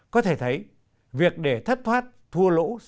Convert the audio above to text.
có thể thấy việc để thất thoát vốn đầu tư bán thầu hưởng phí trái pháp luật